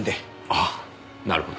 ああなるほど。